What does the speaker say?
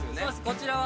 こちらは。